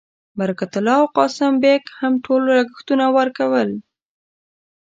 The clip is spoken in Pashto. برکت الله او قاسم بېګ هم ټول لګښتونه ورکول.